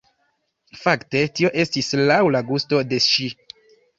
Fakte tio estis laŭ la gusto de ŝi.